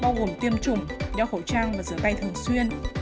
bao gồm tiêm chủng đeo khẩu trang và rửa tay thường xuyên